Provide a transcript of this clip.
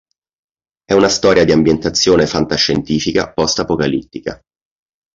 È una storia di ambientazione fantascientifica post apocalittica.